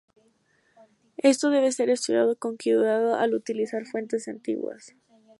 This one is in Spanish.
Esto debe ser estudiado con cuidado al utilizar fuentes antiguas.